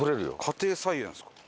家庭菜園ですか？